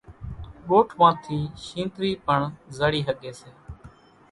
ڳوٺ مان ٿِي شينۮرِي پڻ زڙِي ۿڳيَ سي۔